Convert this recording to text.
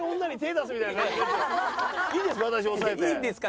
いいんですか？